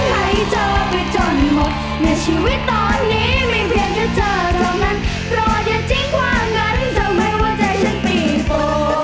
ทำให้หัวใจฉันปีโต